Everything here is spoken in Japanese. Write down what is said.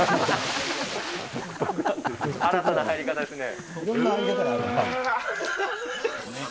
新たな入り方ですね。